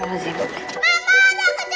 hilang jejak kalau seperti ini caranya